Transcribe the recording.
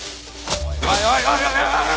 おいおいおいおい！